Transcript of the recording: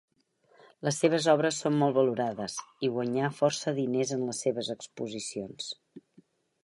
Les seves obres són molt valorades i guanyà força diners en les seves exposicions.